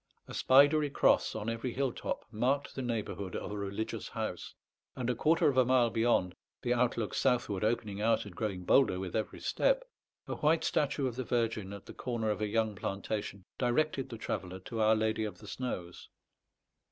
A spidery cross on every hill top marked the neighbourhood of a religious house; and a quarter of a mile beyond, the outlook southward opening out and growing bolder with every step, a white statue of the Virgin at the corner of a young plantation directed the traveller to Our Lady of the Snows.